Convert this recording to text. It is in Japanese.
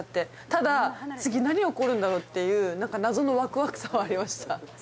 ただ次何起こるんだろう？っていうなんか謎のワクワクさはありました。